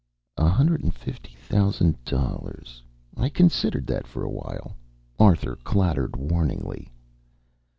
A hundred and fifty thousand dollars. I considered that for a while. Arthur clattered warningly.